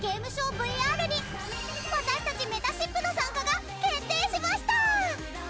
ＶＲに私たち、めたしっぷの参加が決定しました！